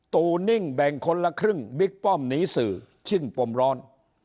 ตู่นิ่งแบ่งคนละครึ่งบิ๊กป้อมหนีสื่อชิ่งปมร้อน